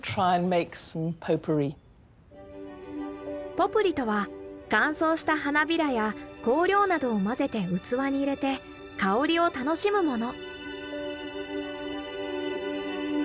ポプリとは乾燥した花びらや香料などを混ぜて器に入れて香りを楽しむもの。